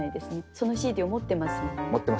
そのＣＤを持ってますもんね。